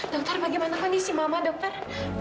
dokter bagaimana kondisi mama dokter